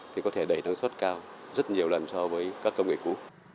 thì có thể đẩy năng suất cao rất nhiều lần so với các công nghệ cũ